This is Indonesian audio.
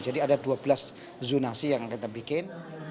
jadi ada dua belas zonasi yang kita bikin